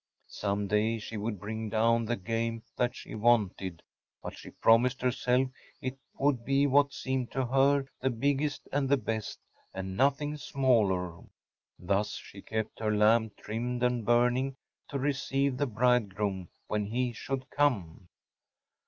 Some day she would bring down the game that she wanted; but she promised herself it would be what seemed to her the biggest and the best, and nothing smaller. Thus she kept her lamp trimmed and burning to receive the bridegroom when he should come.